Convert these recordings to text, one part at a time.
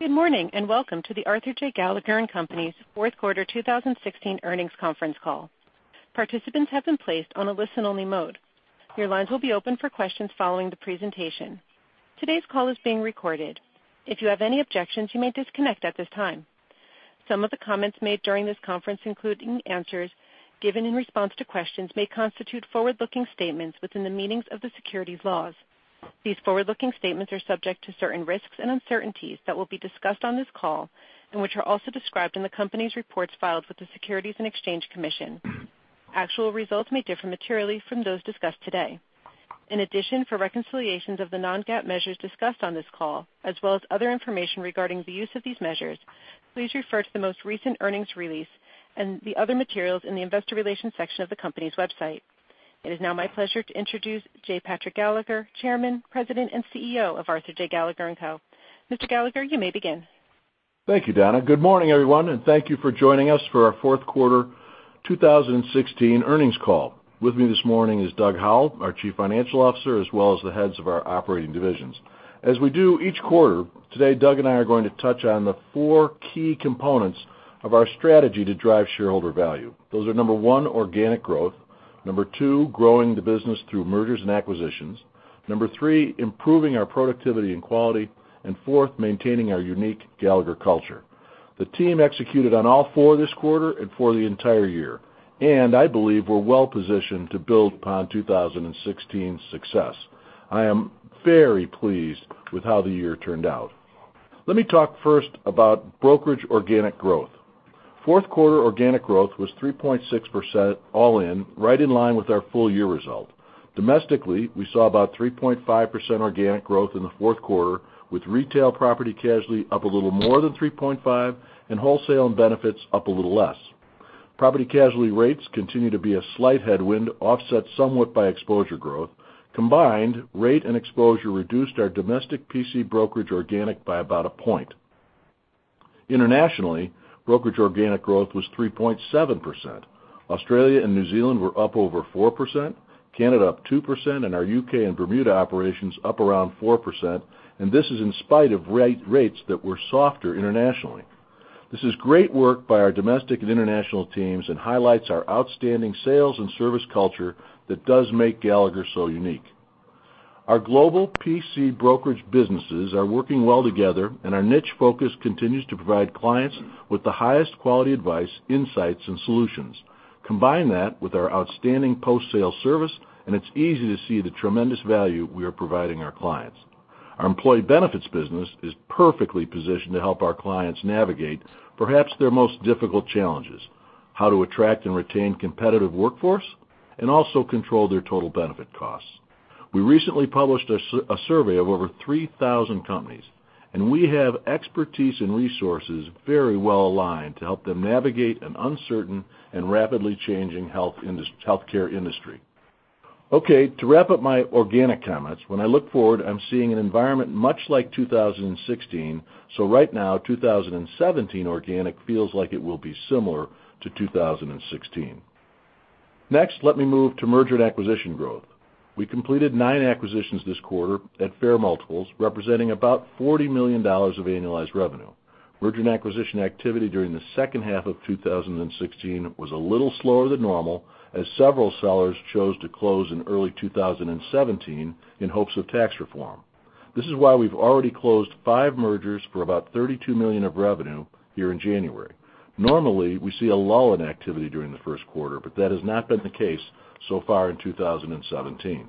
Good morning, and welcome to the Arthur J. Gallagher & Co.'s fourth quarter 2016 earnings conference call. Participants have been placed on a listen-only mode. Your lines will be open for questions following the presentation. Today's call is being recorded. If you have any objections, you may disconnect at this time. Some of the comments made during this conference, including answers given in response to questions, may constitute forward-looking statements within the meanings of the securities laws. These forward-looking statements are subject to certain risks and uncertainties that will be discussed on this call, and which are also described in the Company's reports filed with the Securities and Exchange Commission. Actual results may differ materially from those discussed today. In addition, for reconciliations of the non-GAAP measures discussed on this call, as well as other information regarding the use of these measures, please refer to the most recent earnings release and the other materials in the investor relations section of the company's website. It is now my pleasure to introduce J. Patrick Gallagher, Chairman, President, and CEO of Arthur J. Gallagher & Co. Mr. Gallagher, you may begin. Thank you, Dana. Good morning, everyone, and thank you for joining us for our fourth quarter 2016 earnings call. With me this morning is Doug Howell, our Chief Financial Officer, as well as the heads of our operating divisions. As we do each quarter, today Doug and I are going to touch on the four key components of our strategy to drive shareholder value. Those are, number one, organic growth. Number two, growing the business through mergers and acquisitions. Number three, improving our productivity and quality. Fourth, maintaining our unique Gallagher culture. The team executed on all four this quarter and for the entire year. I believe we're well-positioned to build upon 2016's success. I am very pleased with how the year turned out. Let me talk first about brokerage organic growth. Fourth quarter organic growth was 3.6% all in, right in line with our full year result. Domestically, we saw about 3.5% organic growth in the fourth quarter, with retail property casualty up a little more than 3.5%, and wholesale and benefits up a little less. Property casualty rates continue to be a slight headwind, offset somewhat by exposure growth. Combined rate and exposure reduced our domestic PC brokerage organic by about a point. Internationally, brokerage organic growth was 3.7%. Australia and New Zealand were up over 4%, Canada up 2%, and our U.K. and Bermuda operations up around 4%, and this is in spite of rates that were softer internationally. This is great work by our domestic and international teams and highlights our outstanding sales and service culture that does make Gallagher so unique. Our global PC brokerage businesses are working well together, and our niche focus continues to provide clients with the highest quality advice, insights, and solutions. Combine that with our outstanding post-sale service, it's easy to see the tremendous value we are providing our clients. Our employee benefits business is perfectly positioned to help our clients navigate perhaps their most difficult challenges: how to attract and retain competitive workforce, also control their total benefit costs. We recently published a survey of over 3,000 companies, we have expertise and resources very well aligned to help them navigate an uncertain and rapidly changing healthcare industry. To wrap up my organic comments, when I look forward, I'm seeing an environment much like 2016. Right now, 2017 organic feels like it will be similar to 2016. Let me move to merger and acquisition growth. We completed nine acquisitions this quarter at fair multiples, representing about $40 million of annualized revenue. Merger and acquisition activity during the second half of 2016 was a little slower than normal as several sellers chose to close in early 2017 in hopes of tax reform. This is why we've already closed five mergers for about $32 million of revenue here in January. Normally, we see a lull in activity during the first quarter, that has not been the case so far in 2017.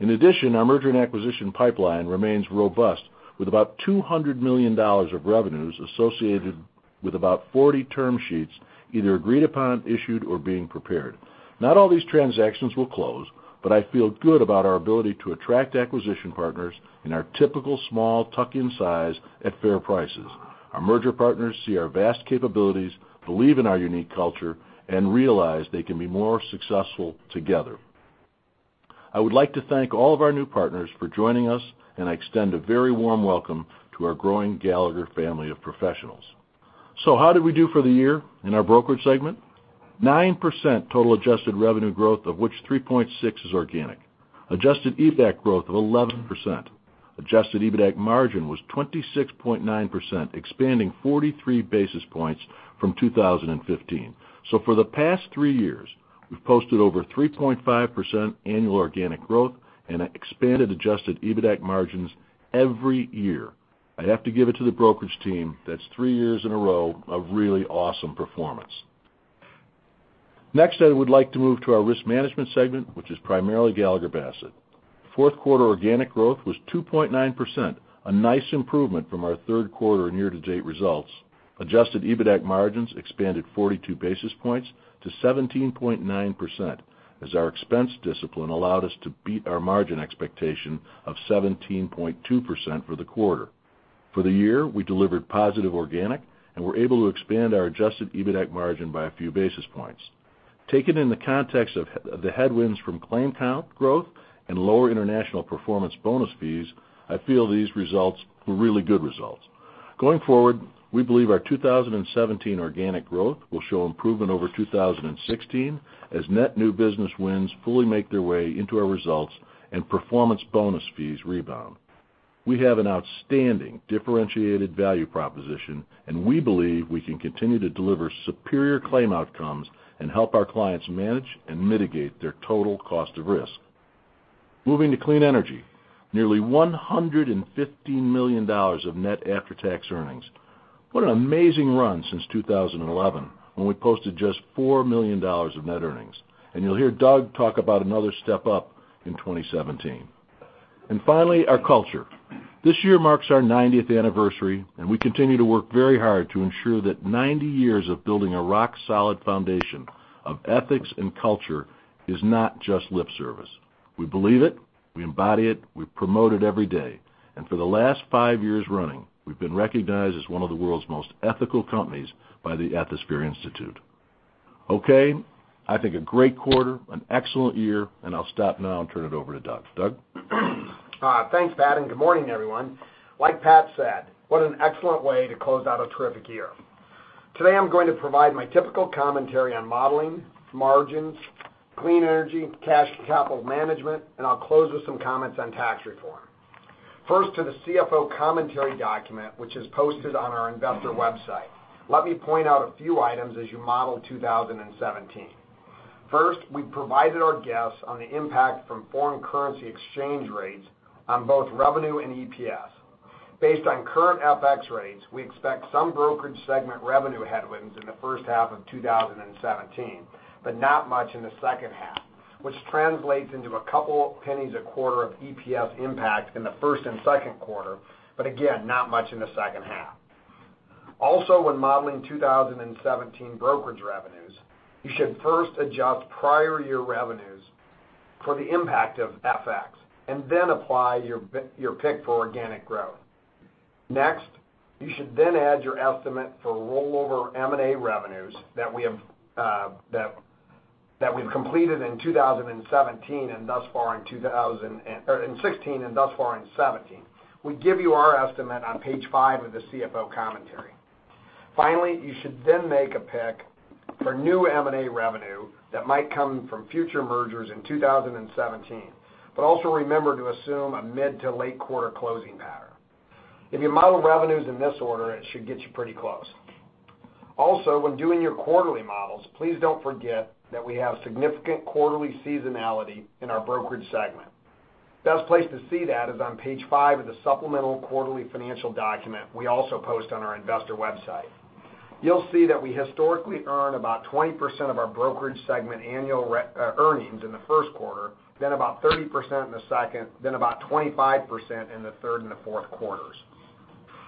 Our merger and acquisition pipeline remains robust with about $200 million of revenues associated with about 40 term sheets either agreed upon, issued, or being prepared. Not all these transactions will close, I feel good about our ability to attract acquisition partners in our typical small tuck-in size at fair prices. Our merger partners see our vast capabilities, believe in our unique culture, realize they can be more successful together. I would like to thank all of our new partners for joining us, I extend a very warm welcome to our growing Gallagher family of professionals. How did we do for the year in our brokerage segment? 9% total adjusted revenue growth, of which 3.6% is organic. Adjusted EBITDA growth of 11%. Adjusted EBITDA margin was 26.9%, expanding 43 basis points from 2015. For the past three years, we've posted over 3.5% annual organic growth and expanded adjusted EBITDA margins every year. I'd have to give it to the brokerage team. That's three years in a row of really awesome performance. I would like to move to our risk management segment, which is primarily Gallagher Bassett. Fourth quarter organic growth was 2.9%, a nice improvement from our third quarter year-to-date results. Adjusted EBITDA margins expanded 42 basis points to 17.9%, as our expense discipline allowed us to beat our margin expectation of 17.2% for the quarter. For the year, we delivered positive organic and were able to expand our adjusted EBITDA margin by a few basis points. Taken in the context of the headwinds from claim count growth and lower international performance bonus fees, I feel these results were really good results. Going forward, we believe our 2017 organic growth will show improvement over 2016 as net new business wins fully make their way into our results and performance bonus fees rebound. We have an outstanding differentiated value proposition, we believe we can continue to deliver superior claim outcomes and help our clients manage and mitigate their total cost of risk. Moving to clean energy. Nearly $115 million of net after-tax earnings. What an amazing run since 2011, when we posted just $4 million of net earnings. You'll hear Doug talk about another step up in 2017. Finally, our culture. This year marks our 90th anniversary, and we continue to work very hard to ensure that 90 years of building a rock-solid foundation of ethics and culture is not just lip service. We believe it, we embody it, we promote it every day. For the last five years running, we've been recognized as one of the world's most ethical companies by the Ethisphere Institute. I think a great quarter, an excellent year, I'll stop now and turn it over to Doug. Doug? Thanks, Pat, good morning, everyone. Like Pat said, what an excellent way to close out a terrific year. Today, I'm going to provide my typical commentary on modeling, margins, clean energy, cash capital management, I'll close with some comments on tax reform. First, to the CFO commentary document, which is posted on our investor website. Let me point out a few items as you model 2017. First, we've provided our guess on the impact from foreign currency exchange rates on both revenue and EPS. Based on current FX rates, we expect some brokerage segment revenue headwinds in the first half of 2017, but not much in the second half, which translates into a couple pennies a quarter of EPS impact in the first and second quarter, but again, not much in the second half. When modeling 2017 brokerage revenues, you should first adjust prior year revenues for the impact of FX and then apply your pick for organic growth. You should then add your estimate for rollover M&A revenues that we've completed in 2017 and thus far in 2016 and thus far in 2017. We give you our estimate on page five of the CFO commentary. You should then make a pick for new M&A revenue that might come from future mergers in 2017. Also remember to assume a mid to late quarter closing pattern. If you model revenues in this order, it should get you pretty close. When doing your quarterly models, please don't forget that we have significant quarterly seasonality in our brokerage segment. Best place to see that is on page five of the supplemental quarterly financial document we also post on our investor website. You'll see that we historically earn about 20% of our brokerage segment annual earnings in the first quarter, then about 30% in the second, then about 25% in the third and the fourth quarters.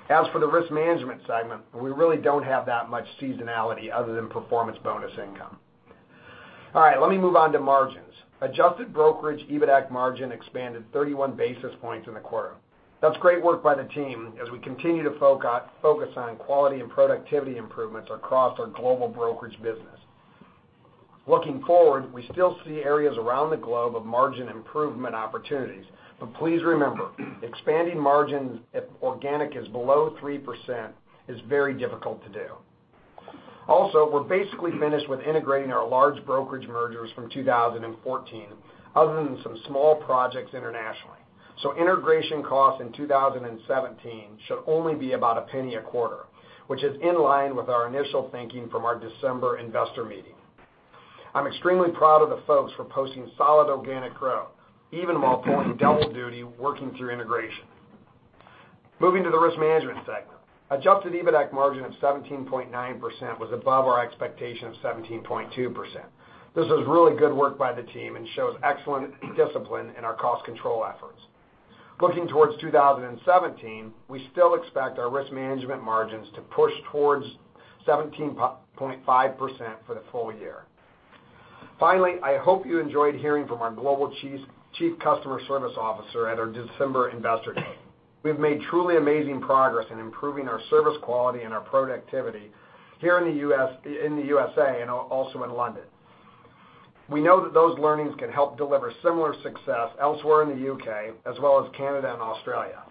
As for the risk management segment, we really don't have that much seasonality other than performance bonus income. All right. Let me move on to margins. Adjusted brokerage EBITAC margin expanded 31 basis points in the quarter. That's great work by the team as we continue to focus on quality and productivity improvements across our global brokerage business. Please remember, expanding margins if organic is below 3% is very difficult to do. We're basically finished with integrating our large brokerage mergers from 2014, other than some small projects internationally. Integration costs in 2017 should only be about a penny a quarter, which is in line with our initial thinking from our December investor meeting. I'm extremely proud of the folks for posting solid organic growth, even while pulling double duty working through integration. Moving to the risk management segment. Adjusted EBITAC margin of 17.9% was above our expectation of 17.2%. This is really good work by the team and shows excellent discipline in our cost control efforts. Looking towards 2017, we still expect our risk management margins to push towards 17.5% for the full year. Finally, I hope you enjoyed hearing from our Global Chief Customer Service Officer at our December investor day. Don't forget, we've made truly amazing progress in improving our service quality and our productivity here in the U.S.A. and also in London. We know that those learnings can help deliver similar success elsewhere in the U.K., as well as Canada and Australia.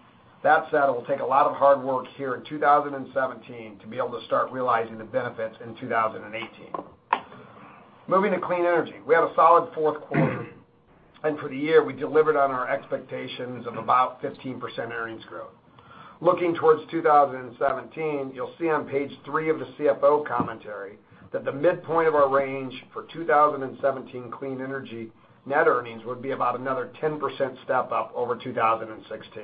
Said, it will take a lot of hard work here in 2017 to be able to start realizing the benefits in 2018. Moving to clean energy. We had a solid fourth quarter, and for the year, we delivered on our expectations of about 15% earnings growth. Looking towards 2017, you'll see on page three of the CFO commentary that the midpoint of our range for 2017 clean energy net earnings would be about another 10% step up over 2016.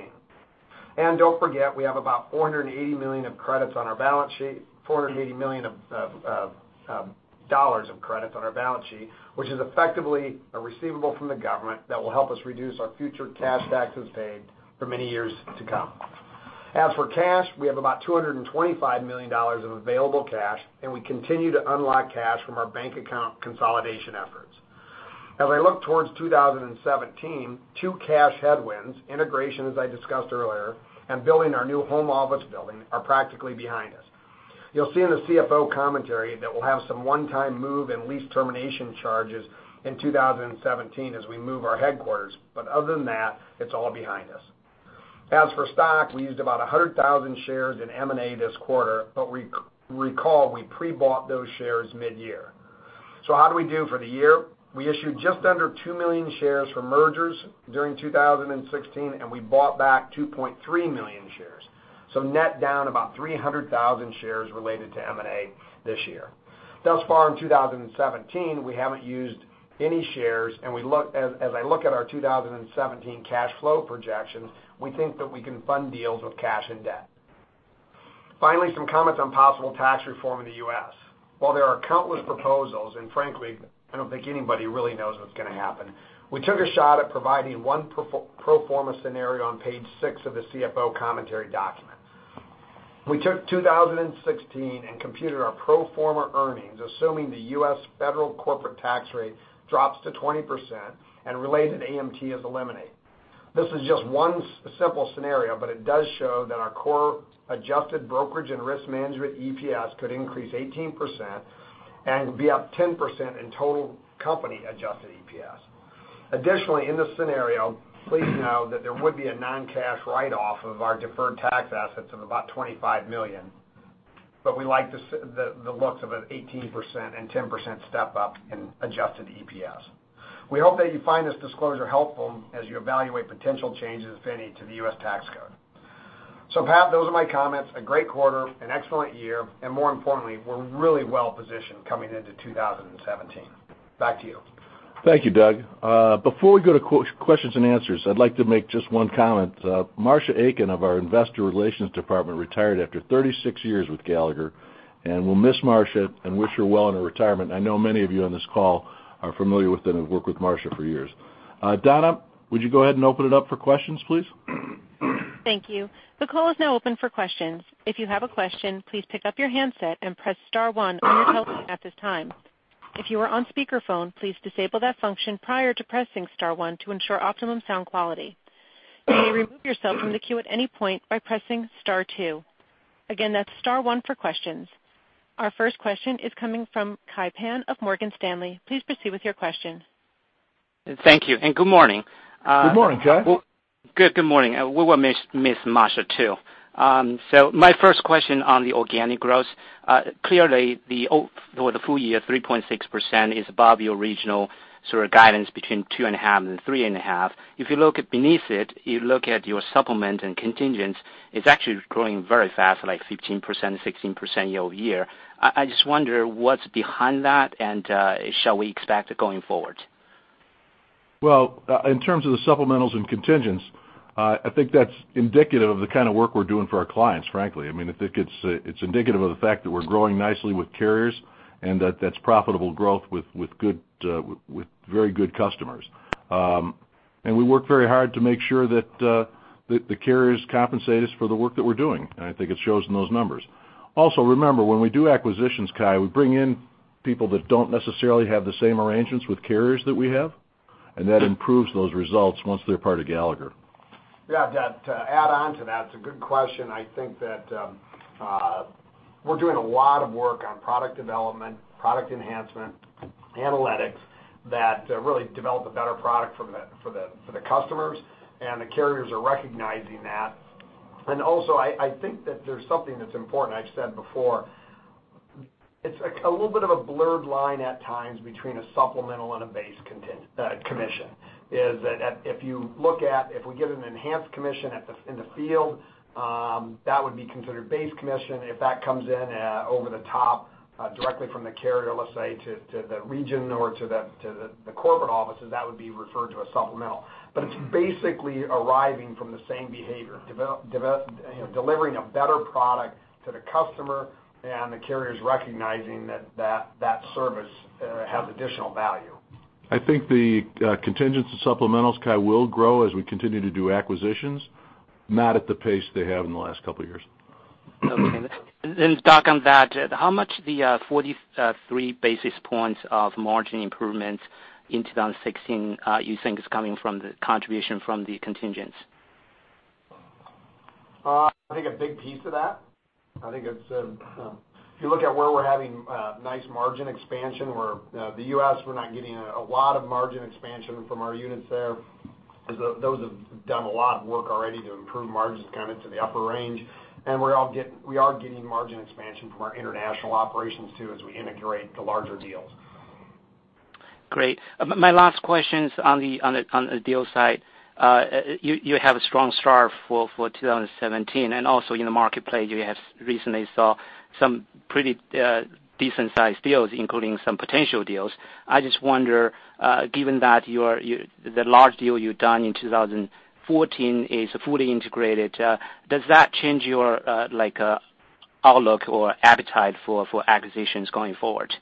Don't forget, we have about $480 million of credits on our balance sheet, $480 million of credits on our balance sheet, which is effectively a receivable from the government that will help us reduce our future cash taxes paid for many years to come. As for cash, we have about $225 million of available cash, and we continue to unlock cash from our bank account consolidation efforts. As I look towards 2017, two cash headwinds, integration, as I discussed earlier, and building our new home office building are practically behind us. You'll see in the CFO commentary that we'll have some one-time move and lease termination charges in 2017 as we move our headquarters. Other than that, it's all behind us. As for stock, we used about 100,000 shares in M&A this quarter, recall, we pre-bought those shares mid-year. How do we do for the year? We issued just under 2 million shares for mergers during 2016, and we bought back 2.3 million shares. Net down about 300,000 shares related to M&A this year. Thus far in 2017, we haven't used any shares, and as I look at our 2017 cash flow projections, we think that we can fund deals with cash and debt. Finally, some comments on possible tax reform in the U.S. While there are countless proposals, and frankly, I don't think anybody really knows what's going to happen, we took a shot at providing one pro forma scenario on page six of the CFO commentary document. We took 2016 and computed our pro forma earnings, assuming the U.S. federal corporate tax rate drops to 20% and related AMT is eliminated. This is just one simple scenario, but it does show that our core adjusted brokerage and risk management EPS could increase 18% and be up 10% in total company adjusted EPS. Additionally, in this scenario, please know that there would be a non-cash write-off of our deferred tax assets of about $25 million, but we like the looks of an 18% and 10% step-up in adjusted EPS. We hope that you find this disclosure helpful as you evaluate potential changes, if any, to the U.S. tax code. Pat, those are my comments. A great quarter, an excellent year, and more importantly, we're really well-positioned coming into 2017. Back to you. Thank you, Doug. Before we go to questions and answers, I'd like to make just one comment. Marcia Aiken of our investor relations department retired after 36 years with Gallagher. We'll miss Marcia and wish her well in her retirement. I know many of you on this call are familiar with and have worked with Marcia for years. Donna, would you go ahead and open it up for questions, please? Thank you. The call is now open for questions. If you have a question, please pick up your handset and press star one on your telephone at this time. If you are on speakerphone, please disable that function prior to pressing star one to ensure optimum sound quality. You may remove yourself from the queue at any point by pressing star two. Again, that's star one for questions. Our first question is coming from Kai Pan of Morgan Stanley. Please proceed with your question. Thank you. Good morning. Good morning, Kai. Good morning. We will miss Marcia, too. My first question on the organic growth. Clearly, for the full year, 3.6% is above the original sort of guidance between two and a half and three and a half. If you look beneath it, you look at your supplement and contingents, it's actually growing very fast, like 15%-16% year-over-year. I just wonder what's behind that, and shall we expect it going forward? In terms of the supplementals and contingents, I think that's indicative of the kind of work we're doing for our clients, frankly. I mean, I think it's indicative of the fact that we're growing nicely with carriers and that that's profitable growth with very good customers. We work very hard to make sure that the carriers compensate us for the work that we're doing, and I think it shows in those numbers. Remember, when we do acquisitions, Kai, we bring in people that don't necessarily have the same arrangements with carriers that we have, and that improves those results once they're part of Gallagher. To add on to that, it's a good question. I think that we're doing a lot of work on product development, product enhancement, analytics that really develop a better product for the customers, and the carriers are recognizing that. I think that there's something that's important I've said before. It's a little bit of a blurred line at times between a supplemental and a base commission, is that if you look at if we get an enhanced commission in the field, that would be considered base commission. If that comes in over the top directly from the carrier, let's say, to the region or to the corporate offices, that would be referred to as supplemental. It's basically arriving from the same behavior, delivering a better product to the customer and the carriers recognizing that that service has additional value. I think the contingents and supplementals, Kai, will grow as we continue to do acquisitions, not at the pace they have in the last couple of years. Okay. Doug, on that, how much the 43 basis points of margin improvements in 2016 you think is coming from the contribution from the contingents? I think a big piece of that, I think if you look at where we're having nice margin expansion, the U.S., we're not getting a lot of margin expansion from our units there, as those have done a lot of work already to improve margins kind of to the upper range. We are getting margin expansion from our international operations, too, as we integrate the larger deals. Great. My last question is on the deal side. You have a strong start for 2017, also in the marketplace, you have recently saw some pretty decent-sized deals, including some potential deals. I just wonder, given that the large deal you've done in 2014 is fully integrated, does that change your outlook or appetite for acquisitions going forward?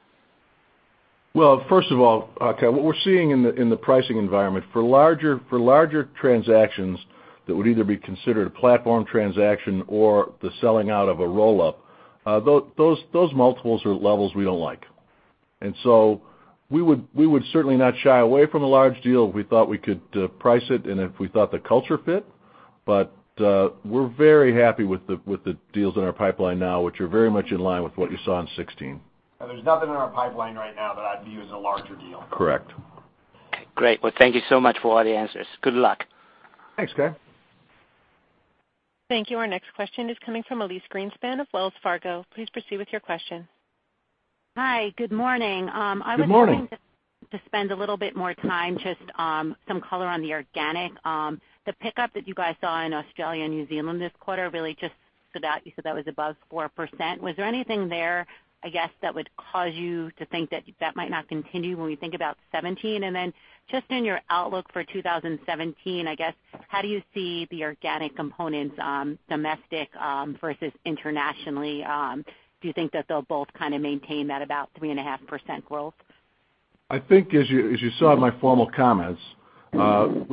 Well, first of all, Kai, what we're seeing in the pricing environment, for larger transactions that would either be considered a platform transaction or the selling out of a roll-up, those multiples are levels we don't like. We would certainly not shy away from a large deal if we thought we could price it and if we thought the culture fit. We're very happy with the deals in our pipeline now, which are very much in line with what you saw in 2016. There's nothing in our pipeline right now that I'd view as a larger deal. Correct. Okay, great. Well, thank you so much for all the answers. Good luck. Thanks, Kai. Thank you. Our next question is coming from Elyse Greenspan of Wells Fargo. Please proceed with your question. Hi, good morning. Good morning. I was hoping to spend a little bit more time, just some color on the organic. The pickup that you guys saw in Australia and New Zealand this quarter, really just so that you said that was above 4%. Was there anything there, I guess, that would cause you to think that that might not continue when we think about 2017? Just in your outlook for 2017, I guess, how do you see the organic components, domestic versus internationally? Do you think that they'll both kind of maintain that about 3.5% growth? I think as you saw in my formal comments,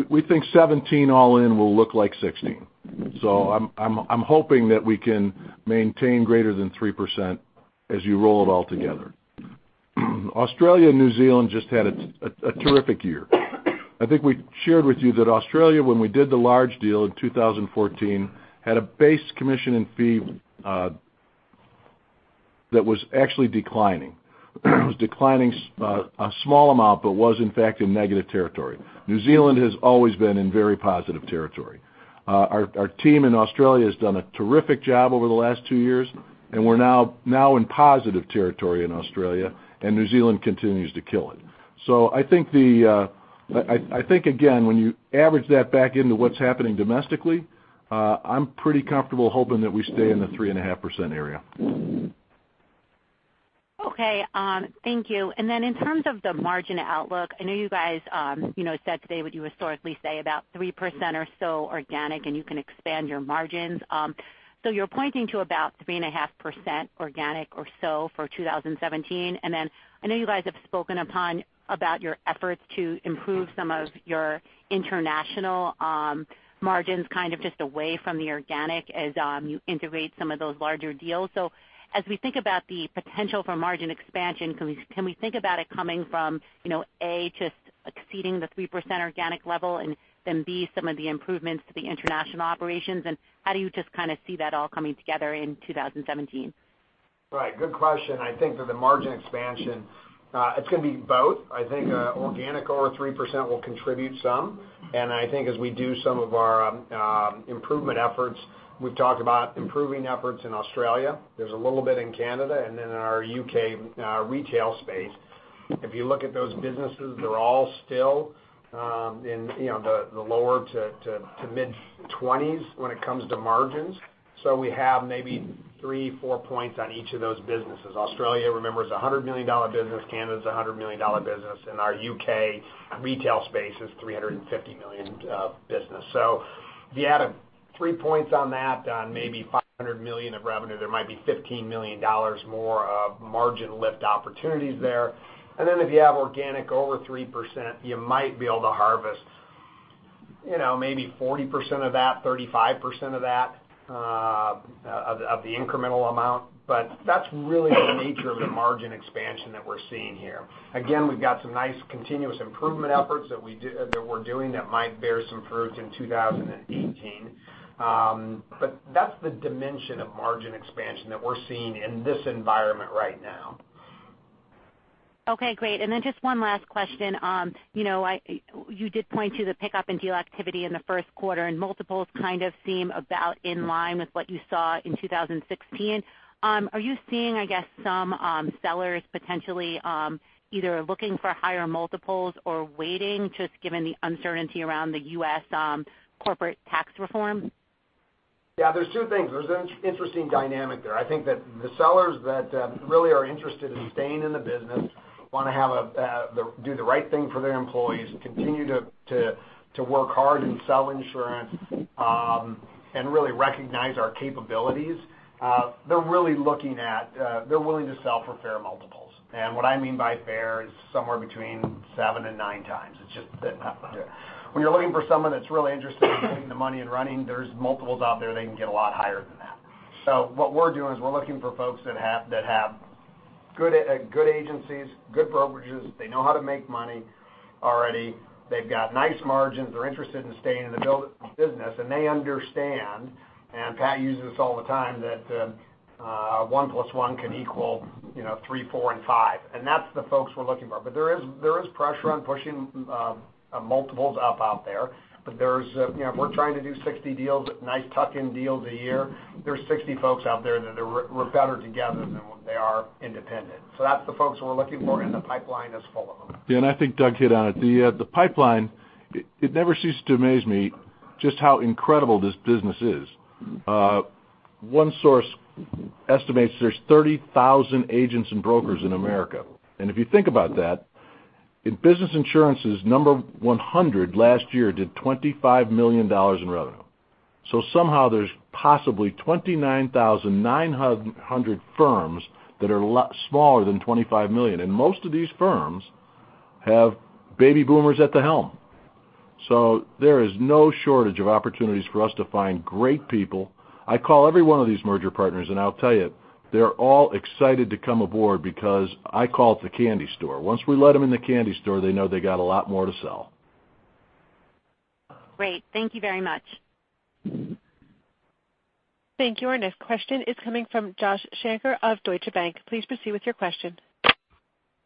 we think 2017 all in will look like 2016. I'm hoping that we can maintain greater than 3% as you roll it all together. Australia and New Zealand just had a terrific year. I think we shared with you that Australia, when we did the large deal in 2014, had a base commission and fee that was actually declining. It was declining a small amount but was, in fact, in negative territory. New Zealand has always been in very positive territory. Our team in Australia has done a terrific job over the last two years, and we're now in positive territory in Australia, and New Zealand continues to kill it. I think, again, when you average that back into what's happening domestically, I'm pretty comfortable hoping that we stay in the 3.5% area. Okay, thank you. In terms of the margin outlook, I know you guys said today what you historically say about 3% or so organic, and you can expand your margins. You're pointing to about 3.5% organic or so for 2017. I know you guys have spoken upon about your efforts to improve some of your international margins, kind of just away from the organic as you integrate some of those larger deals. As we think about the potential for margin expansion, can we think about it coming from, A, just exceeding the 3% organic level and then, B, some of the improvements to the international operations, and how do you just kind of see that all coming together in 2017? Right. Good question. I think for the margin expansion, it's going to be both. I think organic over 3% will contribute some. I think as we do some of our improvement efforts, we've talked about improving efforts in Australia. There's a little bit in Canada and then in our U.K. retail space. If you look at those businesses, they're all still in the lower to mid 20s when it comes to margins. We have maybe three, four points on each of those businesses. Australia, remember, is a $100 million business. Canada's a $100 million business, and our U.K. retail space is a $350 million business. If you add three points on that on maybe $500 million of revenue, there might be $15 million more of margin lift opportunities there. If you have organic over 3%, you might be able to harvest maybe 40% of that, 35% of that, of the incremental amount. That's really the nature of the margin expansion that we're seeing here. Again, we've got some nice continuous improvement efforts that we're doing that might bear some fruit in 2018. That's the dimension of margin expansion that we're seeing in this environment right now. Great. Just one last question. You did point to the pickup in deal activity in the first quarter, and multiples kind of seem about in line with what you saw in 2016. Are you seeing, I guess, some sellers potentially either looking for higher multiples or waiting, just given the uncertainty around the U.S. corporate tax reform? There's two things. There's an interesting dynamic there. I think that the sellers that really are interested in staying in the business want to do the right thing for their employees, continue to work hard and sell insurance, and really recognize our capabilities. They're really looking at, they're willing to sell for fair multiples. What I mean by fair is somewhere between seven and nine times. It's just that when you're looking for someone that's really interested in taking the money and running, there's multiples out there that can get a lot higher than that. What we're doing is we're looking for folks that have good agencies, good brokerages. They know how to make money already. They've got nice margins. They're interested in staying in the business, and they understand, and Pat uses this all the time, that one plus one can equal three, four, and five. That's the folks we're looking for. There is pressure on pushing multiples up out there. If we're trying to do 60 deals, nice tuck-in deals a year, there's 60 folks out there that are better together than when they are independent. That's the folks we're looking for, and the pipeline is full of them. I think Doug hit on it. The pipeline, it never ceases to amaze me just how incredible this business is. One source estimates there's 30,000 agents and brokers in America. If you think about that, in business insurances, number 100 last year did $25 million in revenue. Somehow there's possibly 29,900 firms that are smaller than $25 million, and most of these firms have baby boomers at the helm. There is no shortage of opportunities for us to find great people. I call every one of these merger partners, and I'll tell you, they're all excited to come aboard because I call it the candy store. Once we let them in the candy store, they know they got a lot more to sell. Great. Thank you very much. Thank you. Our next question is coming from Joshua Shanker of Deutsche Bank. Please proceed with your question.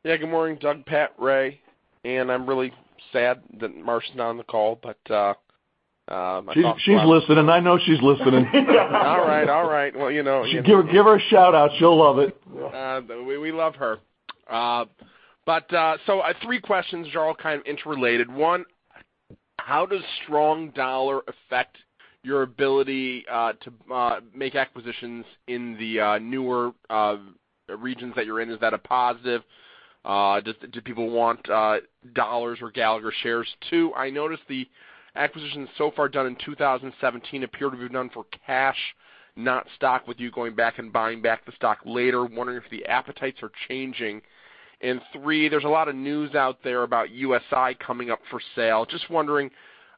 Good morning, Doug, Pat, Ray. I'm really sad that Marcy's not on the call. She's listening. I know she's listening. All right. Well, you know. Give her a shout-out. She'll love it. We love her. Three questions, they're all kind of interrelated. One, how does strong dollar affect your ability to make acquisitions in the newer regions that you're in? Is that a positive? Do people want dollars or Gallagher shares? Two, I noticed the acquisitions so far done in 2017 appear to be done for cash, not stock, with you going back and buying back the stock later. Wondering if the appetites are changing. Three, there's a lot of news out there about USI coming up for sale. Just wondering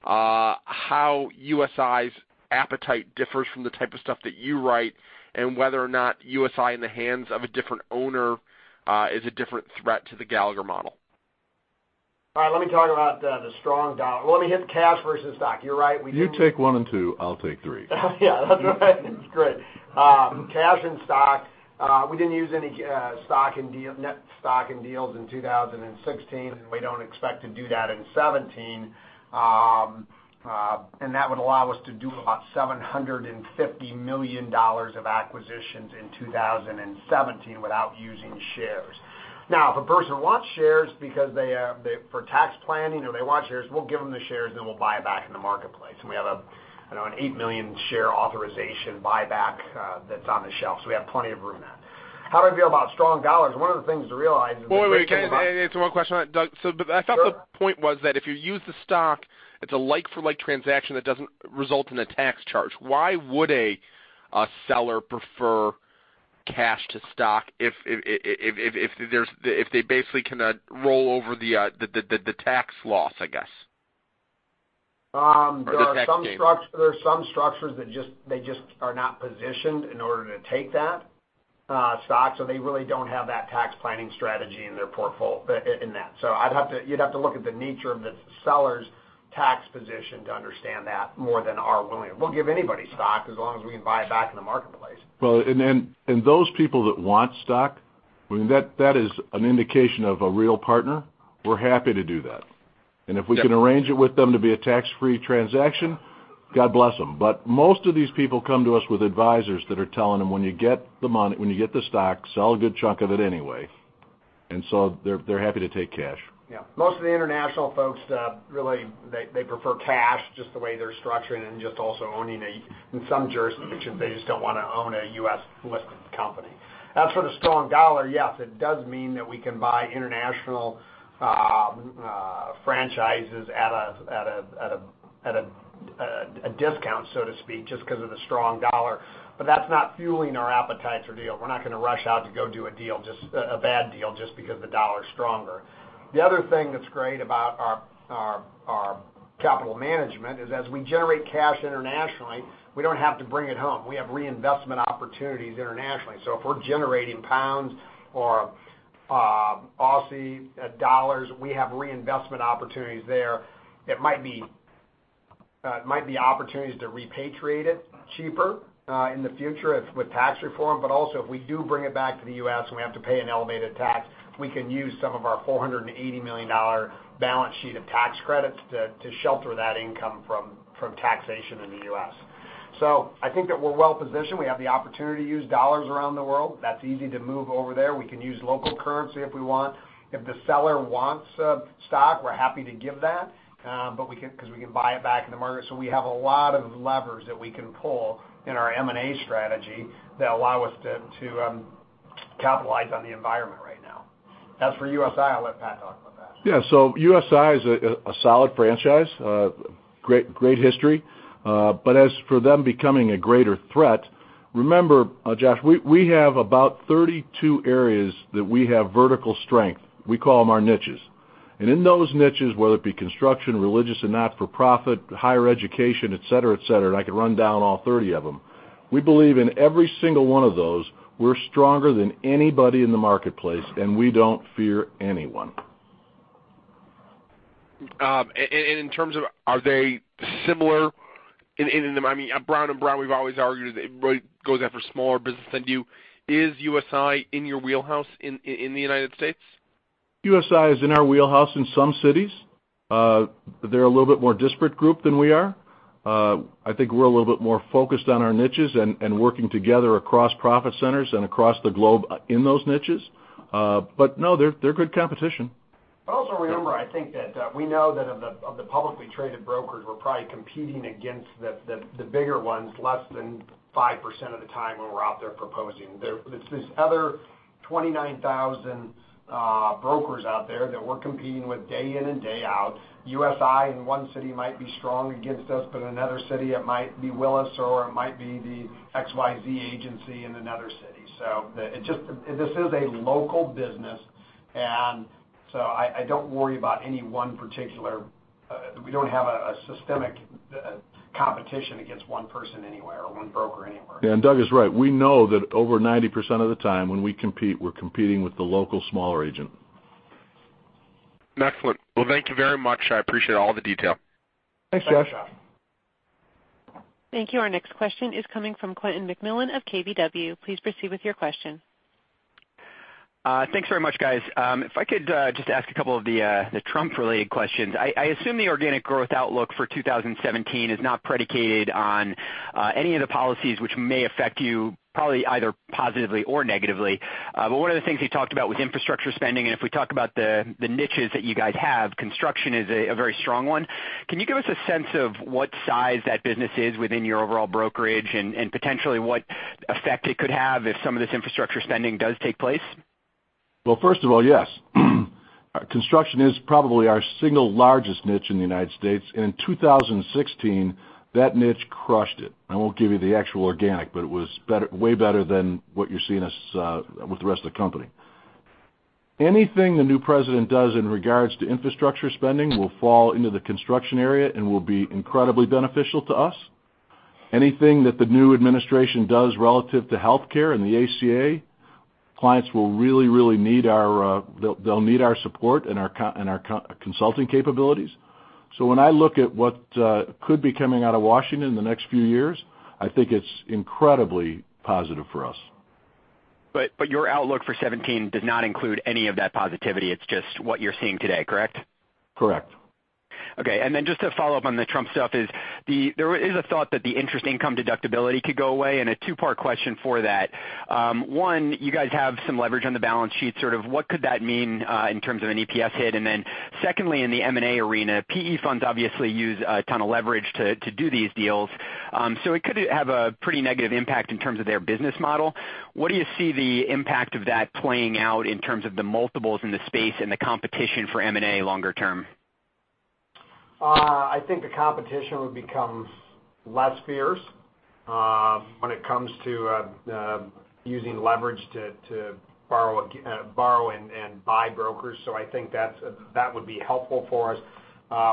how USI's appetite differs from the type of stuff that you write and whether or not USI in the hands of a different owner is a different threat to the Gallagher model. All right, let me talk about the strong dollar. Well, let me hit cash versus stock. You're right, we do. You take one and two, I'll take three. Yeah, that's right. That's great. Cash and stock, we didn't use any net stock in deals in 2016, we don't expect to do that in 2017. That would allow us to do about $750 million of acquisitions in 2017 without using shares. Now, if a person wants shares because for tax planning or they want shares, we'll give them the shares, then we'll buy it back in the marketplace, and we have an 8 million share authorization buyback that's on the shelf. We have plenty of room in that. How do we feel about strong dollars? One of the things to realize is that Wait, can I answer one question on that, Doug? Sure. I thought the point was that if you use the stock, it's a like-for-like transaction that doesn't result in a tax charge. Why would a seller prefer cash to stock if they basically cannot roll over the tax loss, I guess? Or the tax gain. There are some structures that just are not positioned in order to take that stock. They really don't have that tax planning strategy in that. You'd have to look at the nature of the seller's tax position to understand that more than our willing. We'll give anybody stock as long as we can buy it back in the marketplace. Those people that want stock, that is an indication of a real partner. We're happy to do that. Yeah. If we can arrange it with them to be a tax-free transaction, God bless them. Most of these people come to us with advisors that are telling them, "When you get the stock, sell a good chunk of it anyway." They're happy to take cash. Yeah. Most of the international folks, really, they prefer cash just the way they're structured and just also owning a in some jurisdictions, they just don't want to own a U.S.-listed company. As for the strong dollar, yes, it does mean that we can buy international franchises at a discount, so to speak, just because of the strong dollar. That's not fueling our appetite for deals. We're not going to rush out to go do a bad deal just because the dollar is stronger. The other thing that's great about our capital management is as we generate cash internationally, we don't have to bring it home. We have reinvestment opportunities internationally. If we're generating GBP or AUD, we have reinvestment opportunities there. It might be opportunities to repatriate it cheaper in the future with tax reform. Also if we do bring it back to the U.S. and we have to pay an elevated tax, we can use some of our $480 million balance sheet of tax credits to shelter that income from taxation in the U.S. I think that we're well-positioned. We have the opportunity to use dollars around the world. That's easy to move over there. We can use local currency if we want. If the seller wants stock, we're happy to give that because we can buy it back in the market. We have a lot of levers that we can pull in our M&A strategy that allow us to capitalize on the environment right now. As for USI, I'll let Pat talk about that. Yeah. USI is a solid franchise. Great history. As for them becoming a greater threat, remember, Josh, we have about 32 areas that we have vertical strength. We call them our niches. In those niches, whether it be construction, religious and not-for-profit, higher education, et cetera. I could run down all 30 of them. We believe in every single one of those, we're stronger than anybody in the marketplace, and we don't fear anyone. In terms of are they similar in Brown & Brown, we've always argued, really goes after smaller business than you. Is USI in your wheelhouse in the United States? USI is in our wheelhouse in some cities. They're a little bit more disparate group than we are. I think we're a little bit more focused on our niches and working together across profit centers and across the globe in those niches. No, they're good competition. Also remember, I think that we know that of the publicly traded brokers, we're probably competing against the bigger ones less than 5% of the time when we're out there proposing. It's these other 29,000 brokers out there that we're competing with day in and day out. USI in one city might be strong against us, but in another city, it might be Willis, or it might be the XYZ agency in another city. This is a local business. I don't worry about any one particular, we don't have a systemic competition against one person anywhere or one broker anywhere. Yeah, Doug is right. We know that over 90% of the time when we compete, we're competing with the local smaller agent. Excellent. Well, thank you very much. I appreciate all the detail. Thanks, Josh. Thanks, Josh. Thank you. Our next question is coming from Quentin McMillan of KBW. Please proceed with your question. Thanks very much, guys. If I could just ask a couple of the Trump-related questions. I assume the organic growth outlook for 2017 is not predicated on any of the policies which may affect you, probably either positively or negatively. One of the things you talked about was infrastructure spending, and if we talk about the niches that you guys have, construction is a very strong one. Can you give us a sense of what size that business is within your overall brokerage and potentially what effect it could have if some of this infrastructure spending does take place? Well, first of all, yes. Construction is probably our single largest niche in the U.S. In 2016, that niche crushed it. I won't give you the actual organic, but it was way better than what you're seeing with the rest of the company. Anything the new president does in regards to infrastructure spending will fall into the construction area and will be incredibly beneficial to us. Anything that the new administration does relative to healthcare and the ACA, clients will really, really need our support and our consulting capabilities. When I look at what could be coming out of Washington in the next few years, I think it's incredibly positive for us. Your outlook for 2017 does not include any of that positivity. It's just what you're seeing today, correct? Correct. Okay. Just to follow up on the Trump stuff is, there is a thought that the interest income deductibility could go away, and a two-part question for that. One, you guys have some leverage on the balance sheet. What could that mean in terms of an EPS hit? Secondly, in the M&A arena, PE funds obviously use a ton of leverage to do these deals. It could have a pretty negative impact in terms of their business model. What do you see the impact of that playing out in terms of the multiples in the space and the competition for M&A longer term? I think the competition would become less fierce when it comes to using leverage to borrow and buy brokers. I think that would be helpful for us.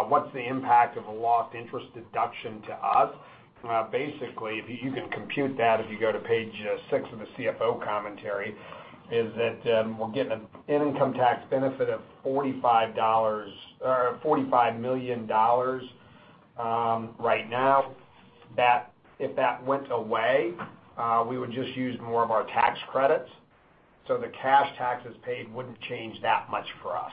What's the impact of a lost interest deduction to us? Basically, you can compute that if you go to page six of the CFO commentary, is that we're getting an income tax benefit of $45 million right now. If that went away, we would just use more of our tax credits. The cash taxes paid wouldn't change that much for us.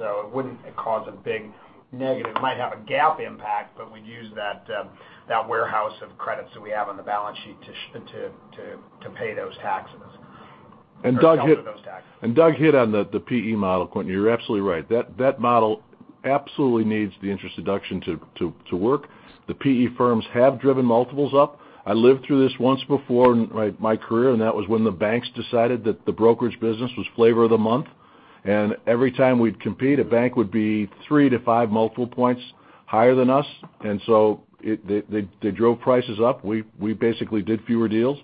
It wouldn't cause a big negative. It might have a GAAP impact, but we'd use that warehouse of credits that we have on the balance sheet to pay those taxes. Or some of those taxes. Doug hit on the PE model, Quentin. You're absolutely right. That model absolutely needs the interest deduction to work. The PE firms have driven multiples up. I lived through this once before in my career, that was when the banks decided that the brokerage business was flavor of the month. Every time we'd compete, a bank would be three to five multiple points higher than us. They drove prices up. We basically did fewer deals.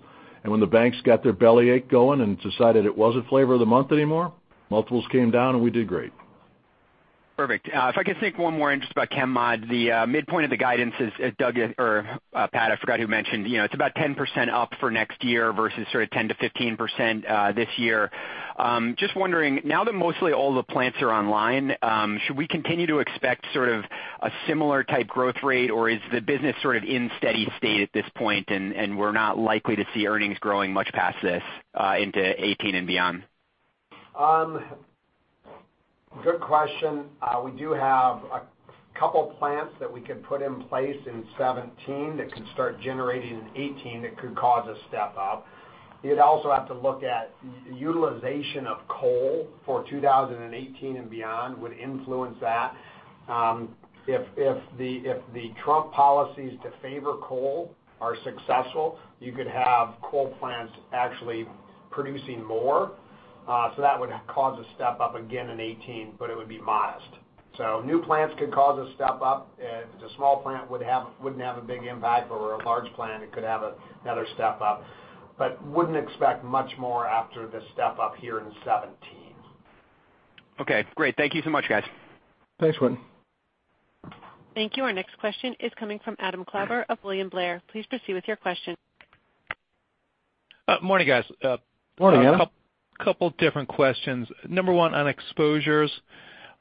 When the banks got their belly ache going and decided it wasn't flavor of the month anymore, multiples came down and we did great. Perfect. If I could sneak one more in just about ChemMod, the midpoint of the guidance as Doug or Pat, I forgot who mentioned, it's about 10% up for next year versus 10%-15% this year. Just wondering, now that mostly all the plants are online, should we continue to expect sort of a similar type growth rate, or is the business sort of in steady state at this point, and we're not likely to see earnings growing much past this into 2018 and beyond? Good question. We do have a couple plants that we could put in place in 2017 that could start generating in 2018 that could cause a step up. You'd also have to look at utilization of coal for 2018 and beyond would influence that. If the Trump policies to favor coal are successful, you could have coal plants actually producing more. That would cause a step up again in 2018, but it would be modest. New plants could cause a step up. If it's a small plant wouldn't have a big impact, but a large plant, it could have another step up. Wouldn't expect much more after the step up here in 2017. Okay, great. Thank you so much, guys. Thanks, Quentin. Thank you. Our next question is coming from Adam Klauber of William Blair. Please proceed with your question. Morning, guys. Morning, Adam. A couple different questions. Number one on exposures.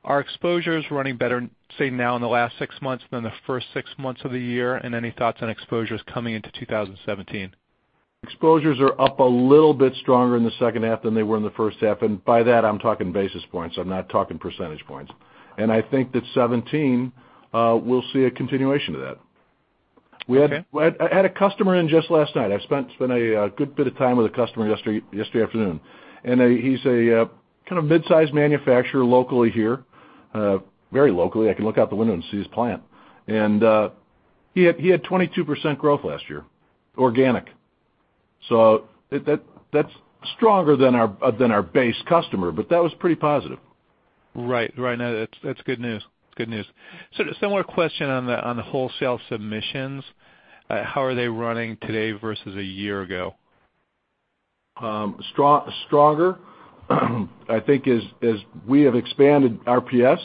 Are exposures running better, say, now in the last six months than the first six months of the year? Any thoughts on exposures coming into 2017? Exposures are up a little bit stronger in the second half than they were in the first half. By that, I'm talking basis points. I'm not talking percentage points. I think that 2017 will see a continuation of that. Okay. I had a customer in just last night. I spent a good bit of time with a customer yesterday afternoon. He's a mid-size manufacturer locally here. Very locally. I can look out the window and see his plant. He had 22% growth last year, organic. That's stronger than our base customer, but that was pretty positive. Right. No, that's good news. Similar question on the wholesale submissions. How are they running today versus a year ago? Stronger, I think as we have expanded RPS.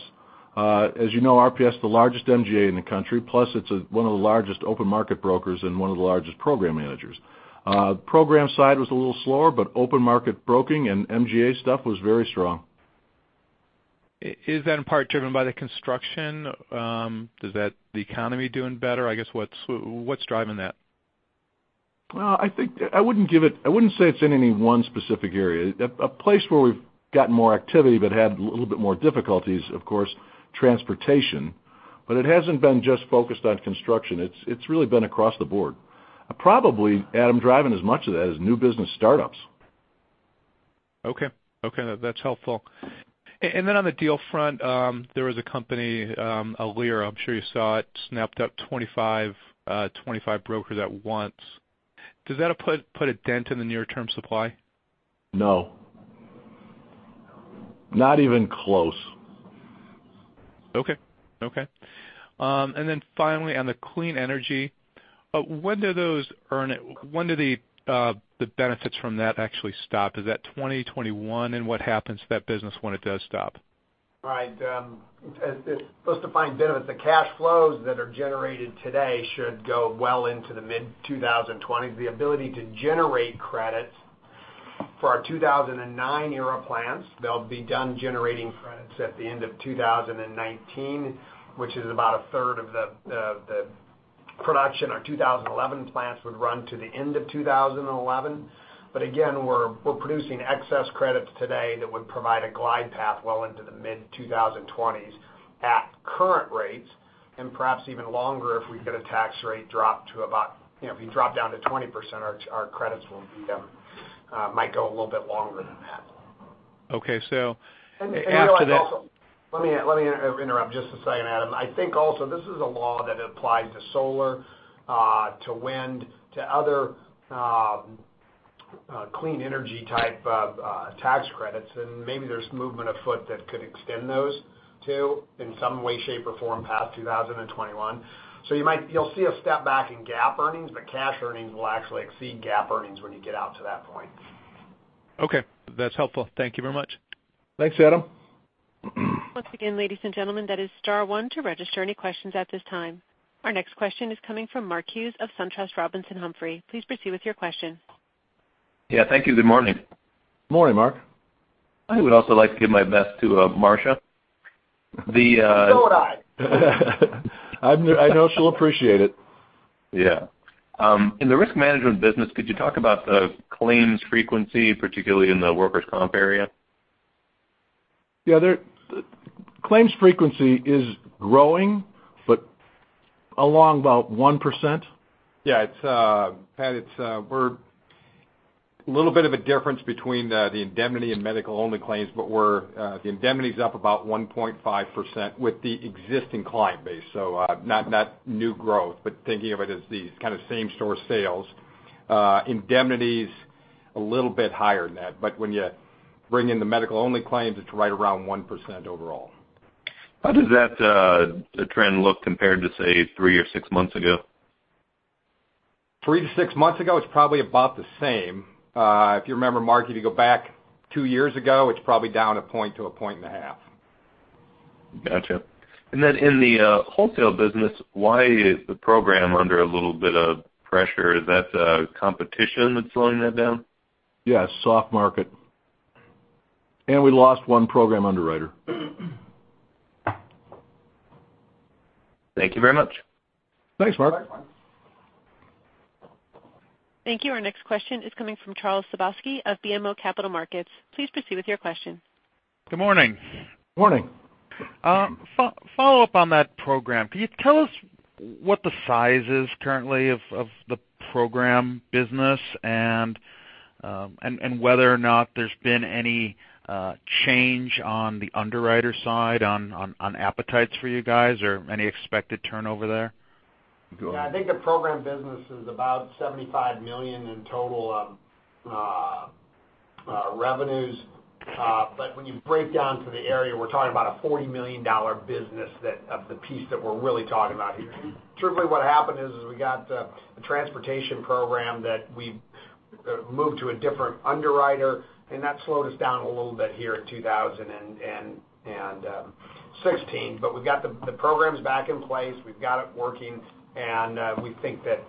As you know, RPS is the largest MGA in the country, plus it's one of the largest open market brokers and one of the largest program managers. Program side was a little slower, open market broking and MGA stuff was very strong. Is that in part driven by the construction? Is that the economy doing better? I guess, what's driving that? Well, I wouldn't say it's in any one specific area. A place where we've gotten more activity but had a little bit more difficulties, of course, transportation. It hasn't been just focused on construction. It's really been across the board. Probably, Adam, driving as much of that is new business startups. Okay. That's helpful. On the deal front, there was a company, Alera, I'm sure you saw it, snapped up 25 brokers at once. Does that put a dent in the near term supply? No. Not even close. Okay. Finally, on the clean energy, when do the benefits from that actually stop? Is that 2021? What happens to that business when it does stop? Right. Those defined benefits, the cash flows that are generated today should go well into the mid-2020s. The ability to generate credits for our 2009 era plans, they'll be done generating credits at the end of 2019, which is about a third of the production. Our 2011 plants would run to the end of 2011. Again, we're producing excess credits today that would provide a glide path well into the mid-2020s at current rates, and perhaps even longer if we get a tax rate drop to about 20%, our credits might go a little bit longer than that. Okay, after that- Also, let me interrupt just a second, Adam. I think also this is a law that applies to solar, to wind, to other clean energy type of tax credits, and maybe there's movement afoot that could extend those, too, in some way, shape, or form past 2021. You'll see a step back in GAAP earnings, but cash earnings will actually exceed GAAP earnings when you get out to that point. Okay. That's helpful. Thank you very much. Thanks, Adam. Once again, ladies and gentlemen, that is star one to register any questions at this time. Our next question is coming from Mark Hughes of SunTrust Robinson Humphrey. Please proceed with your question. Yeah, thank you. Good morning. Morning, Mark. I would also like to give my best to Marcia. Would I. I know she'll appreciate it. In the risk management business, could you talk about the claims frequency, particularly in the workers' comp area? Claims frequency is growing, but along about 1%. Pat, a little bit of a difference between the indemnity and medical only claims, but the indemnity's up about 1.5% with the existing client base. Not new growth, but thinking of it as these kind of same store sales. Indemnity's a little bit higher than that, but when you bring in the medical only claims, it's right around 1% overall. How does that trend look compared to, say, three or six months ago? Three to six months ago, it's probably about the same. If you remember, Mark, if you go back two years ago, it's probably down a point to a point and a half. Gotcha. Then in the wholesale business, why is the program under a little bit of pressure? Is that competition that's slowing that down? Yeah, soft market. We lost one program underwriter. Thank you very much. Thanks, Mark. Bye, Mark. Thank you. Our next question is coming from Charles Sebaski of BMO Capital Markets. Please proceed with your question. Good morning. Morning. Follow-up on that program. Can you tell us what the size is currently of the program business and whether or not there's been any change on the underwriter side on appetites for you guys or any expected turnover there? Go ahead. I think the program business is about $75 million in total revenues. When you break down to the area, we're talking about a $40 million business of the piece that we're really talking about here. Certainly what happened is we got the transportation program that we moved to a different underwriter, and that slowed us down a little bit here in 2016. We've got the programs back in place. We've got it working, and we think that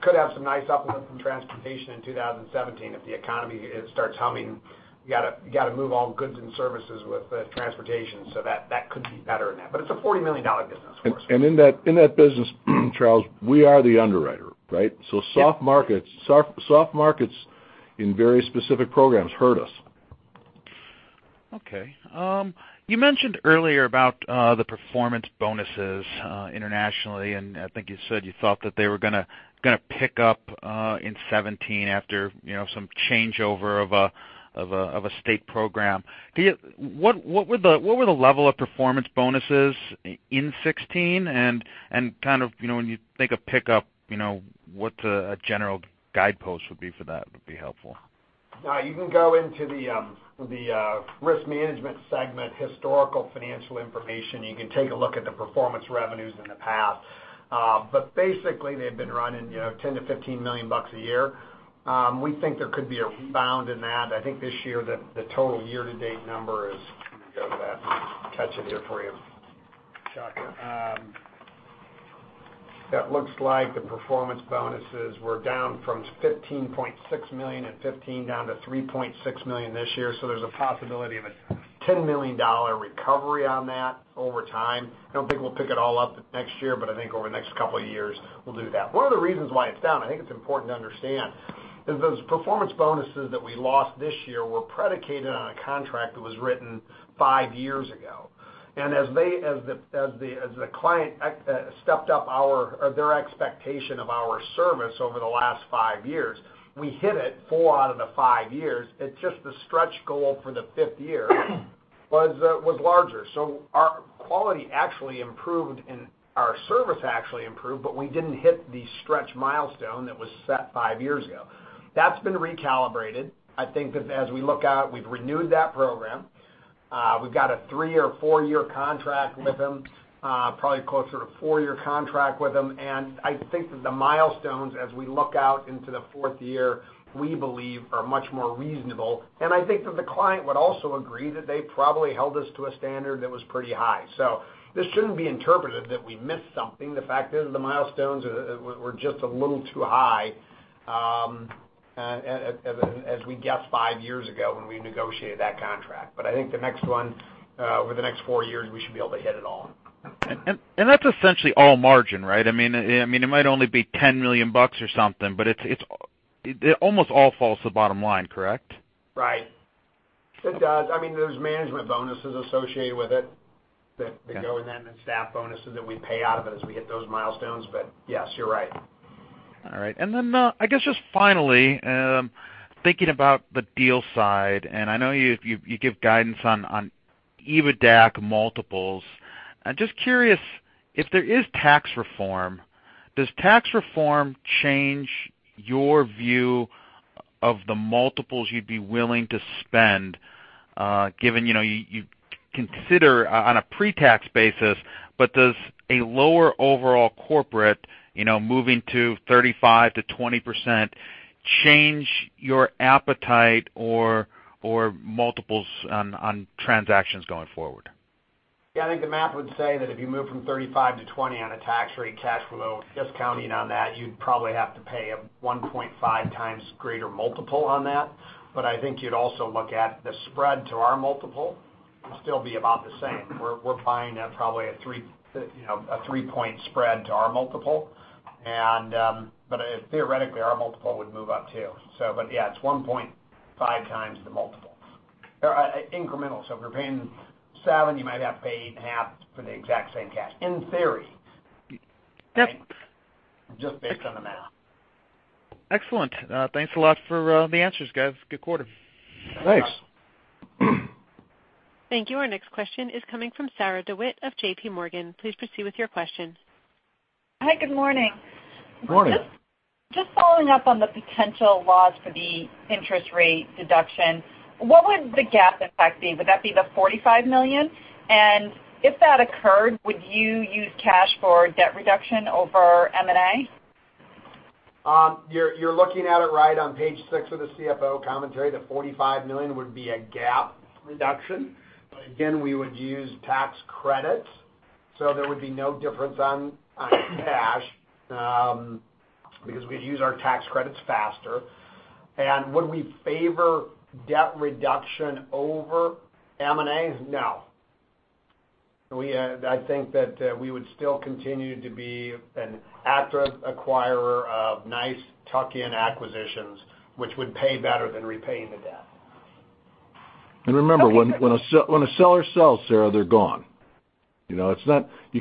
could have some nice uplift in transportation in 2017 if the economy starts humming. You got to move all goods and services with the transportation, so that could be better than that. It's a $40 million business for us. In that business, Charles, we are the underwriter, right? Yeah. Soft markets in very specific programs hurt us. Okay. You mentioned earlier about the performance bonuses internationally, I think you said you thought that they were going to pick up in 2017 after some changeover of a state program. What were the level of performance bonuses in 2016? Kind of when you think of pickup, what a general guidepost would be for that would be helpful. You can go into the risk management segment, historical financial information. You can take a look at the performance revenues in the past. Basically, they've been running $10 million-$15 million a year. We think there could be a rebound in that. I think this year, the total year to date number is. Go to that. Catch it here for you. Gotcha. It looks like the performance bonuses were down from $15.6 million in 2015 down to $3.6 million this year, there's a possibility of a $10 million recovery on that over time. I don't think we'll pick it all up next year, I think over the next couple of years, we'll do that. One of the reasons why it's down, I think it's important to understand, is those performance bonuses that we lost this year were predicated on a contract that was written five years ago. As the client stepped up their expectation of our service over the last five years, we hit it four out of the five years. It's just the stretch goal for the fifth year was larger. Our quality actually improved, and our service actually improved, but we didn't hit the stretch milestone that was set five years ago. That's been recalibrated. I think that as we look out, we've renewed that program. We've got a three or four-year contract with them, probably closer to a four-year contract with them, and the milestones, as we look out into the fourth year, we believe are much more reasonable. I think that the client would also agree that they probably held us to a standard that was pretty high. This shouldn't be interpreted that we missed something. The fact is, the milestones were just a little too high as we guessed five years ago when we negotiated that contract. I think the next one, over the next four years, we should be able to hit it all. That's essentially all margin, right? It might only be $10 million bucks or something, but it almost all falls to the bottom line, correct? Right. It does. There's management bonuses associated with it that go in, and staff bonuses that we pay out of it as we hit those milestones. Yes, you're right. All right. Just finally, thinking about the deal side, I know you give guidance on EBITDA multiples. Just curious, if there is tax reform, does tax reform change your view of the multiples you'd be willing to spend, given you consider on a pre-tax basis, does a lower overall corporate, moving to 35%-20% change your appetite or multiples on transactions going forward? Yeah, I think the math would say that if you move from 35%-20% on a tax rate, cash flow, just counting on that, you'd probably have to pay a 1.5 times greater multiple on that. I think you'd also look at the spread to our multiple. It'll still be about the same. We're buying at probably a three-point spread to our multiple. Theoretically, our multiple would move up, too. Yeah, it's 1.5 times the multiple. Incremental, so if you're paying seven, you might have to pay eight and a half for the exact same cash. In theory. Yep. Just based on the math. Excellent. Thanks a lot for the answers, guys. Good quarter. Thanks. Thank you. Our next question is coming from Sarah DeWitt of J.P. Morgan. Please proceed with your question. Hi, good morning. Morning. Just following up on the potential loss for the interest rate deduction. What would the GAAP, in fact, be? Would that be the $45 million? If that occurred, would you use cash for debt reduction over M&A? You're looking at it right on page six of the CFO commentary. The $45 million would be a GAAP reduction. Again, we would use tax credits, so there would be no difference on cash, because we'd use our tax credits faster. Would we favor debt reduction over M&A? No. I think that we would still continue to be an active acquirer of nice tuck-in acquisitions, which would pay better than repaying the debt. Okay. Remember, when a seller sells, Sarah, they're gone. You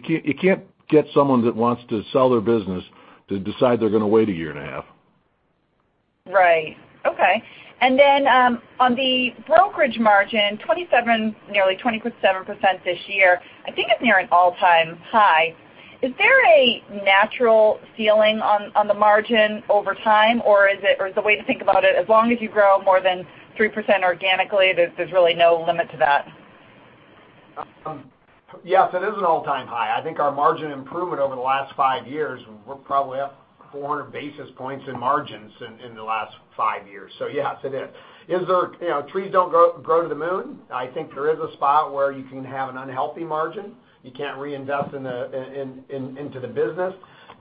can't get someone that wants to sell their business to decide they're going to wait a year and a half. Right. Okay. Then, on the brokerage margin, nearly 27% this year. I think it's near an all-time high. Is there a natural ceiling on the margin over time, or is the way to think about it as long as you grow more than 3% organically, there's really no limit to that? Yes, it is an all-time high. I think our margin improvement over the last five years, we're probably up 400 basis points in margins in the last five years. Yes, it is. Trees don't grow to the moon. I think there is a spot where you can have an unhealthy margin. You can't reinvest into the business.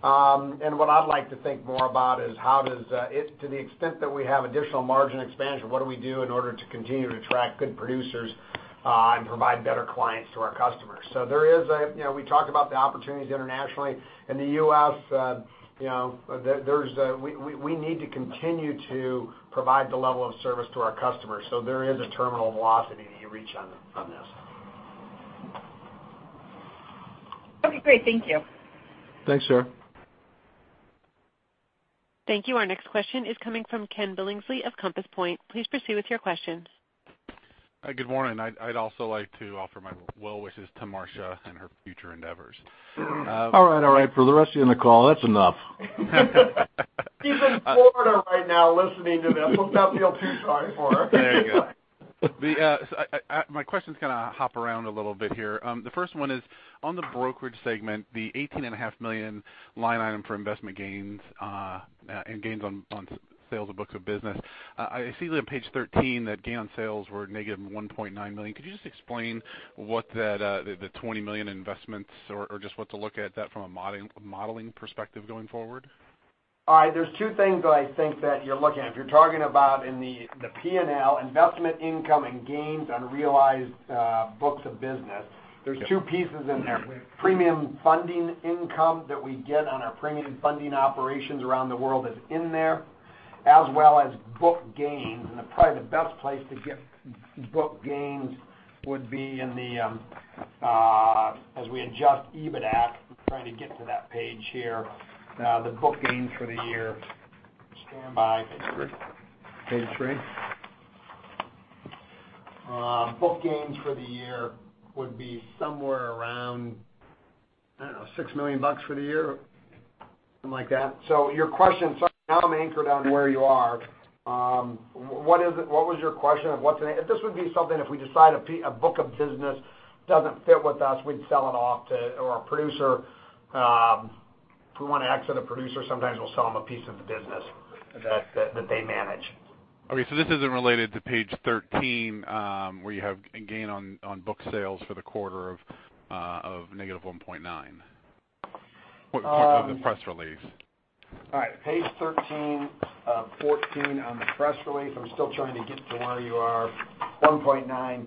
What I'd like to think more about is to the extent that we have additional margin expansion, what do we do in order to continue to attract good producers and provide better clients to our customers? We talked about the opportunities internationally. In the U.S., we need to continue to provide the level of service to our customers. There is a terminal velocity that you reach on this. Okay, great. Thank you. Thanks, Sarah. Thank you. Our next question is coming from Ken Billingsley of Compass Point. Please proceed with your questions. Hi. Good morning. I'd also like to offer my well wishes to Marcia in her future endeavors. All right. For the rest of you on the call, that's enough. She's in Florida right now listening to this. Let's not feel too sorry for her. There you go. My questions kind of hop around a little bit here. The first one is on the brokerage segment, the $18.5 million line item for investment gains and gains on sales of books of business. I see that on page 13, that gain on sales were negative $1.9 million. Could you just explain what the $20 million investments are, or just what to look at that from a modeling perspective going forward? All right. There's two things that I think that you're looking at. If you're talking about in the P&L, investment income and gains on realized books of business, there's two pieces in there. Premium funding income that we get on our premium funding operations around the world is in there, as well as book gains. Probably the best place to get book gains would be as we adjust EBITDA. I'm trying to get to that page here. The book gains for the year. Standby, page three. Page three. Book gains for the year would be somewhere around, I don't know, $6 million for the year, something like that. Your question, sorry, now I'm anchored on where you are. What was your question? This would be something if we decide a book of business doesn't fit with us, we'd sell it off to a producer. If we want to exit a producer, sometimes we'll sell them a piece of the business that they manage. Okay, this isn't related to page 13, where you have a gain on book sales for the quarter of -$1.9 of the press release. All right. Page 13, 14 on the press release. I'm still trying to get to where you are. $1.9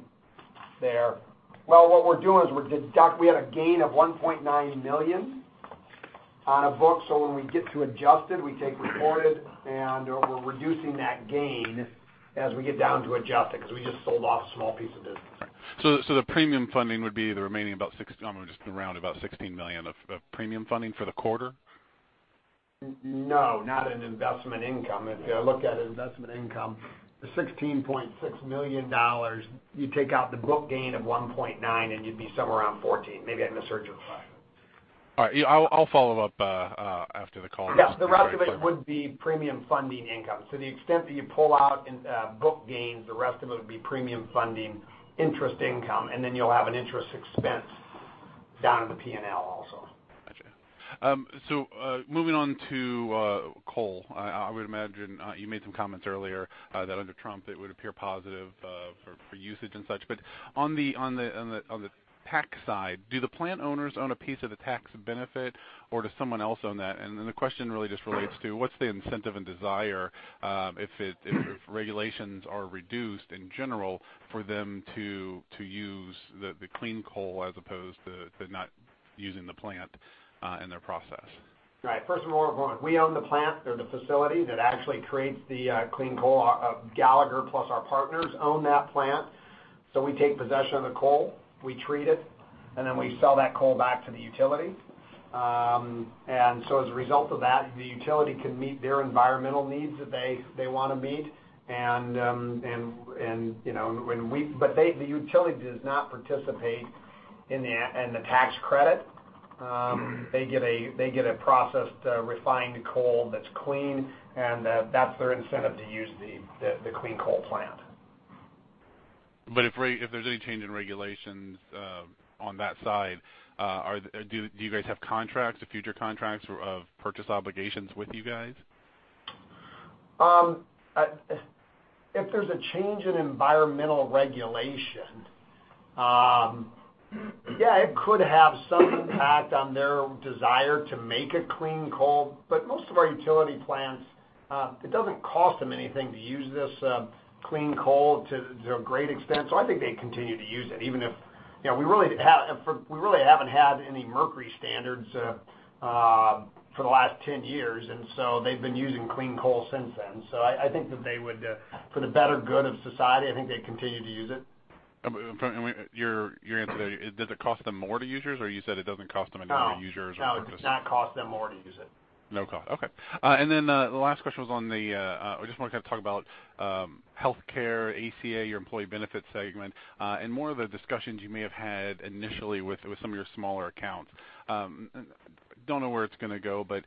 there. Well, what we're doing is we had a gain of $1.9 million on a book, when we get to adjusted, we take reported, and we're reducing that gain as we get down to adjusted, because we just sold off a small piece of business. The premium funding would be the remaining around about $16 million of premium funding for the quarter? No, not in investment income. You look at investment income, the $16.6 million, you take out the book gain of $1.9 and you'd be somewhere around $14. Maybe I misheard you. All right. I'll follow up after the call. Yes, the rest of it would be premium funding income. The extent that you pull out in book gains, the rest of it would be premium funding interest income, and then you'll have an interest expense down in the P&L also. Got you. Moving on to coal. I would imagine you made some comments earlier that under Trump, it would appear positive for usage and such. On the tax side, do the plant owners own a piece of the tax benefit, or does someone else own that? The question really just relates to what's the incentive and desire if regulations are reduced in general for them to use the clean coal as opposed to not using the plant in their process? Right. First of all, we own the plant or the facility that actually creates the clean coal. Gallagher, plus our partners, own that plant. We take possession of the coal, we treat it, and then we sell that coal back to the utility. As a result of that, the utility can meet their environmental needs that they want to meet. The utility does not participate in the tax credit. They get a processed, refined coal that's clean, and that's their incentive to use the clean coal plant. If there's any change in regulations on that side, do you guys have contracts, future contracts of purchase obligations with you guys? If there's a change in environmental regulation, yeah, it could have some impact on their desire to make a clean coal. Most of our utility plants, it doesn't cost them anything to use this clean coal to a great extent. I think they continue to use it. We really haven't had any mercury standards for the last 10 years, and they've been using clean coal since then. I think that they would, for the better good of society, I think they'd continue to use it. Your answer there, does it cost them more to use yours, or you said it doesn't cost them any more to use yours? No. Does not cost them more to use it. No cost. Okay. The last question was, I just want to kind of talk about healthcare, ACA, your employee benefits segment, and more of the discussions you may have had initially with some of your smaller accounts. Don't know where it's going to go, but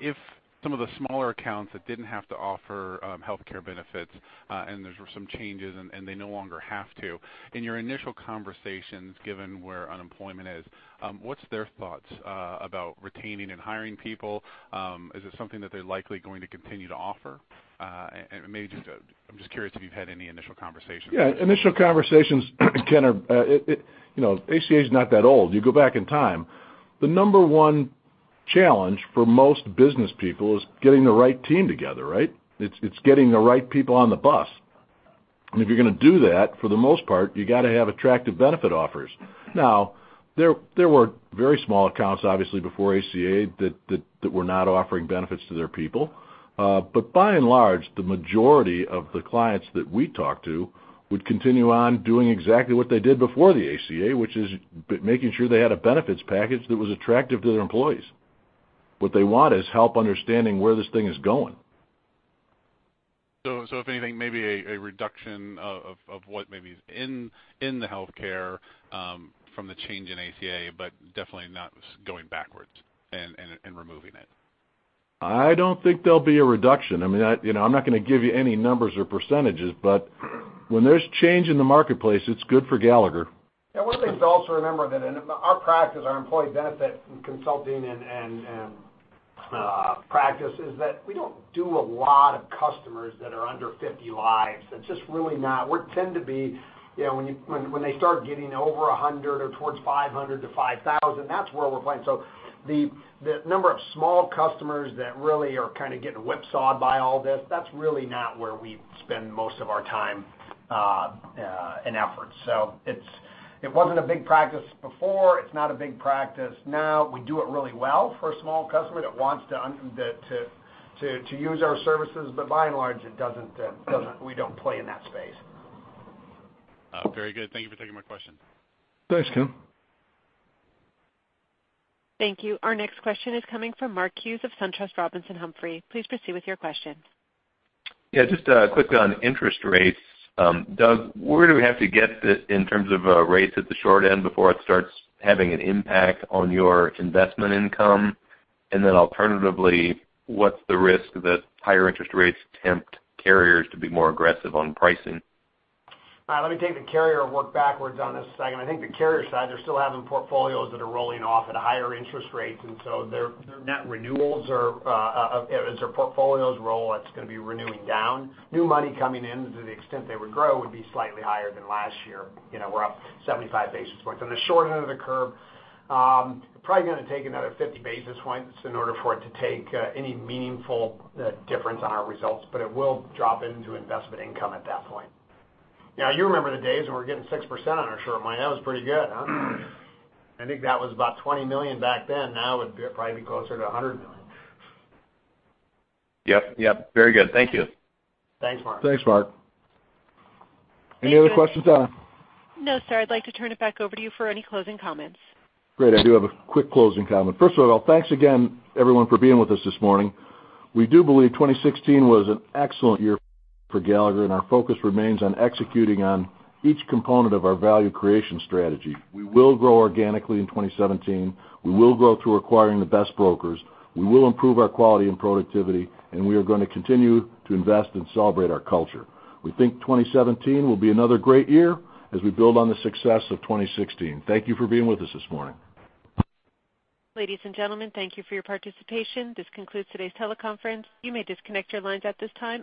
if some of the smaller accounts that didn't have to offer healthcare benefits, and there's some changes and they no longer have to, in your initial conversations, given where unemployment is, what's their thoughts about retaining and hiring people? Is it something that they're likely going to continue to offer? I'm just curious if you've had any initial conversations. Yeah, initial conversations, Ken, ACA's not that old. You go back in time, the number one challenge for most business people is getting the right team together, right? It's getting the right people on the bus. If you're going to do that, for the most part, you got to have attractive benefit offers. Now, there were very small accounts, obviously, before ACA, that were not offering benefits to their people. By and large, the majority of the clients that we talked to would continue on doing exactly what they did before the ACA, which is making sure they had a benefits package that was attractive to their employees. What they want is help understanding where this thing is going. If anything, maybe a reduction of what maybe is in the healthcare from the change in ACA, but definitely not going backwards and removing it? I don't think there'll be a reduction. I'm not going to give you any numbers or %, but when there's change in the marketplace, it's good for Gallagher. Yeah. One of the things to also remember that in our practice, our employee benefit consulting and practice, is that we don't do a lot of customers that are under 50 lives. It's just really not. We tend to be, when they start getting over 100 or towards 500 to 5,000, that's where we're playing. The number of small customers that really are kind of getting whipsawed by all this, that's really not where we spend most of our time and effort. It wasn't a big practice before. It's not a big practice now. We do it really well for a small customer that wants to use our services. By and large, we don't play in that space. Very good. Thank you for taking my question. Thanks, Ken. Thank you. Our next question is coming from Mark Hughes of SunTrust Robinson Humphrey. Please proceed with your question. Yeah, just quickly on interest rates. Doug, where do we have to get this in terms of rates at the short end before it starts having an impact on your investment income? Alternatively, what's the risk that higher interest rates tempt carriers to be more aggressive on pricing? Let me take the carrier and work backwards on this a second. I think the carrier side, they're still having portfolios that are rolling off at higher interest rates, and so their net renewals, as their portfolios roll, it's going to be renewing down. New money coming in to the extent they would grow would be slightly higher than last year. We're up 75 basis points. On the short end of the curve, probably going to take another 50 basis points in order for it to take any meaningful difference on our results, but it will drop into investment income at that point. You remember the days when we were getting 6% on our short money. That was pretty good, huh? I think that was about $20 million back then. Now it would probably be closer to $100 million. Yep, very good. Thank you. Thanks, Mark. Thanks, Mark. Any other questions, Donna? No, sir. I'd like to turn it back over to you for any closing comments. Great. I do have a quick closing comment. First of all, thanks again, everyone, for being with us this morning. We do believe 2016 was an excellent year for Gallagher, and our focus remains on executing on each component of our value creation strategy. We will grow organically in 2017. We will grow through acquiring the best brokers. We will improve our quality and productivity, and we are going to continue to invest and celebrate our culture. We think 2017 will be another great year as we build on the success of 2016. Thank you for being with us this morning. Ladies and gentlemen, thank you for your participation. This concludes today's teleconference. You may disconnect your lines at this time.